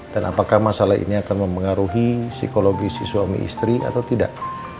dan apakah masalah ini akan mempengaruhi psikologi si suami istri atau tidak